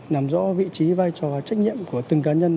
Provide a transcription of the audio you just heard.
làm rõ vị trí vai trò trách nhiệm của từng cá nhân